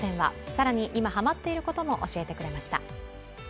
更に今ハマっていることも教えてくれました。